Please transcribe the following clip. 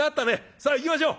さあ行きましょう」。